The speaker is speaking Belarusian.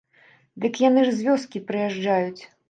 Дык яны ж з вёскі прыязджаюць.